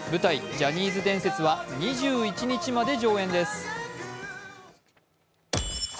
「ジャニーズ伝説」は２１日まで上演です。